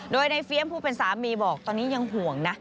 โดยในเฟียมผู้เป็นสามีบอกตอนนี้ยังห่วงนะ